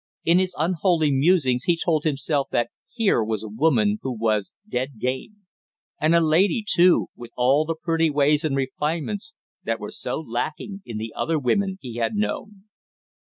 In his unholy musings he told himself that here was a woman who was dead game and a lady, too, with all the pretty ways and refinements that were so lacking in the other women he had known.